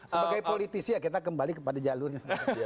sebagai politisi ya kita kembali kepada jalurnya